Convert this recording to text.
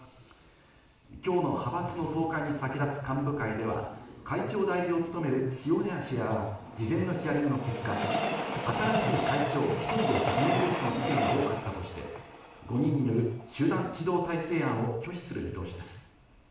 きょうの派閥の総会に先立つ幹部会では、会長代理を務める塩谷氏らが、事前のヒアリングの結果、新しい会長１人を決めるべきとの意見が多かったとして、５人による集団指導体制案を拒否する見通しです。